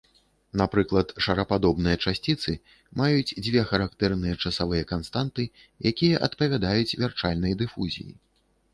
Напрыклад, шарападобныя часціцы маюць дзве характэрныя часавыя канстанты, якія адпавядаюць вярчальнай дыфузіі.